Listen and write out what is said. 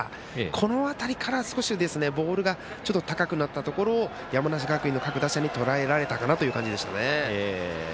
この辺りから少しボールが高くなったところを山梨学院の各打者にとらえられたかなという感じですね。